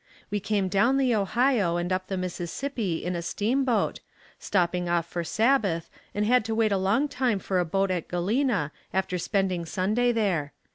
We came down the Ohio and up the Mississippi in a steamboat, stopping off for Sabbath and had to wait a long time for a boat at Galena after spending Sunday there.